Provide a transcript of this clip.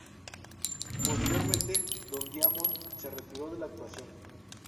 Posteriormente Don Diamond se retiró de la actuación.